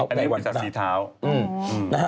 อันนี้วิศักดิ์สีเท้า